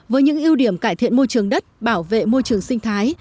với những ưu điểm cải thiện môi trường đất bảo vệ môi trường sinh thái